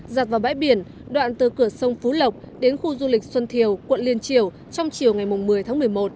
giặt vào bãi biển đoạn từ cửa sông phú lộc đến khu du lịch xuân thiều quận liên triều trong chiều ngày một mươi tháng một mươi một